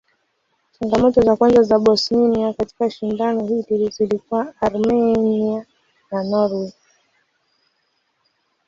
Changamoto za kwanza za Bosnia katika shindano hili zilikuwa Armenia na Norway.